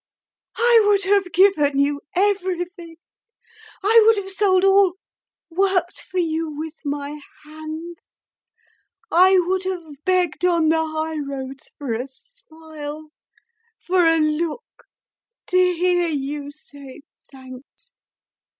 I would have given you everything. I would have sold all, worked for you with my hands, I would have begged on the highroads for a smile, for a look, to hear you say 'Thanks!